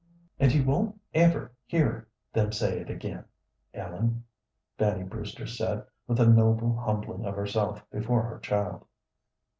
"And you won't ever hear them say it again, Ellen," Fanny Brewster said, with a noble humbling of herself before her child.